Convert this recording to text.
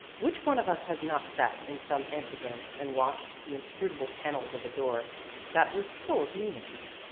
Which one of us has not sat in some ante room and watched the inscrutable panels of a door that was full of meaning?